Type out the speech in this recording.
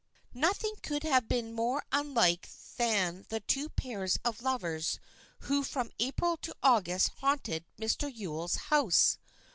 Nothing could have been more unlike than the two pairs of lovers who from April to August haunted Mr. Yule's house.